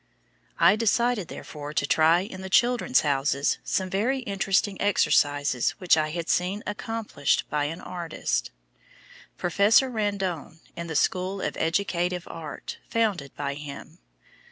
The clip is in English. I decided therefore to try in the "Children's Houses" some very interesting exercises which I had seen accomplisbed by an artist, Professor Randone, in the "School of Educative Art" founded by him.